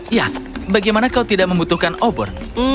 ya bagaimana kau tidak membutuhkan obor